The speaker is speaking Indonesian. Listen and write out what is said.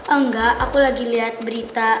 engga aku lagi liat berita